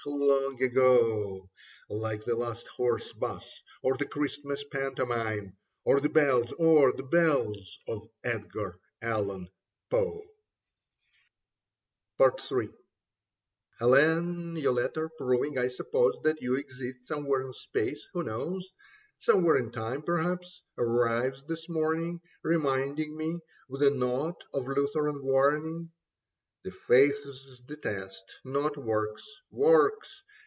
long ago. Like the last horse bus, or the Christmas pantomime, Or the Bells, oh, the Bells, of Edgar Allan Poe. Soles Occidere et Redire Possunt 63 III " T T ELEN, your letter, proving, I suppose, X X That you exist somewhere in space, who knows ? Somewhere in time, perhaps, arrives this morning. Reminding me with a note of Lutheran warning That faith's the test, not works. Works